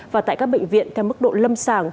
và tại các bệnh viện theo mức độ lâm sàng